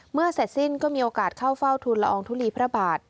เสร็จสิ้นก็มีโอกาสเข้าเฝ้าทุนละอองทุลีพระบาท